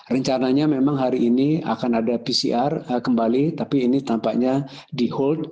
rencananya memang hari ini akan ada pcr kembali tapi ini tampaknya di hold